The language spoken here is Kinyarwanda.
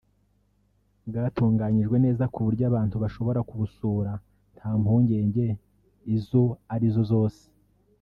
bwatunganyijwe neza ku buryo abantu bashobora kubusura nta mpungenge izo arizo zose